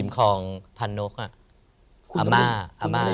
โปรดติดตามต่อไป